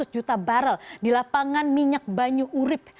lima ratus juta barrel di lapangan minyak banyu urib